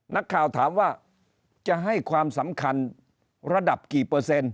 นักข่าวถามว่าจะให้ความสำคัญระดับกี่เปอร์เซ็นต์